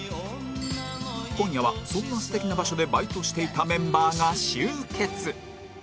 今夜はそんな素敵な場所でバイトしていたメンバーが集結